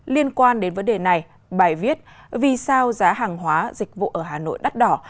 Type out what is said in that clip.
liên quan đến vấn đề này bài viết vì sao giá hàng hóa dịch vụ ở hà nội đắt đỏ